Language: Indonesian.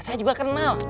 saya juga kenal